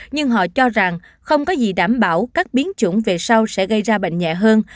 nhưng họ cho rằng không có gì đảm bảo các biến chủng về sau sẽ gây ra bệnh nhẹ hơn